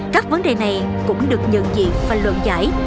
các vấn đề này cũng được nhận diện và luận giải